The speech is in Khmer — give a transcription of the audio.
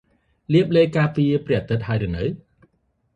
លាបឡេការពារព្រះអាទិត្យហើយនៅ?